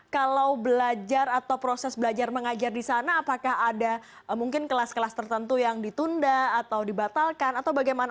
kalau belajar atau proses belajar mengajar di sana apakah ada mungkin kelas kelas tertentu yang ditunda atau dibatalkan atau bagaimana